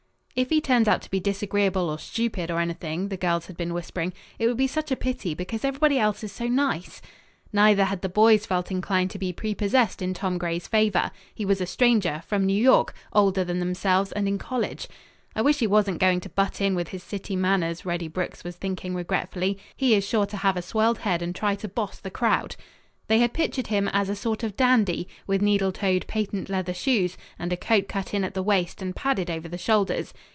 "If he turns out to be disagreeable or stupid or anything," the girls had been whispering, "it would be such a pity because everybody else is so nice." Neither had the boys felt inclined to be prepossessed in Tom Gray's favor. He was a stranger, from New York, older than themselves and in college. "I wish he wasn't going to butt in with his city manners," Reddy Brooks was thinking regretfully. "He is sure to have a swelled head and try to boss the crowd." They had pictured him as a sort of dandy, with needle toed patent leather shoes and a coat cut in at the waist and padded over the shoulders.